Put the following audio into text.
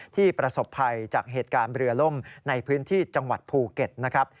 ประสบภัยจากเหตุการณ์เรือล่มในพื้นที่จังหวัดภูเก็ตนะครับ